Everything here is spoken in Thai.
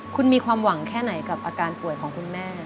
คุณมีความหวังแค่ไหนกับอาการป่วยของคุณแม่